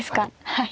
はい。